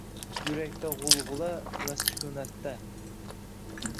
Yurakda gʻulgʻula va sukunatda